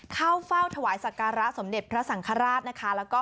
เข้าเฝ้าถวายสักการะสมเด็จพระสังฆราชนะคะ